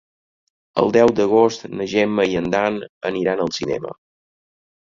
El deu d'agost na Gemma i en Dan aniran al cinema.